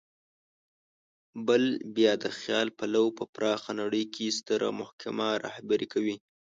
بل بیا د خیال پلو په پراخه نړۍ کې ستره محکمه رهبري کوي.